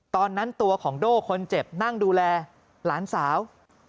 ตอนนั้นตัวของโด่คนเจ็บนั่งดูแลหลานสาว